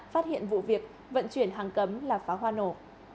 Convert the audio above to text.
phát hiện vụ việc vận chuyển hàng cấm là pháo hoa nổ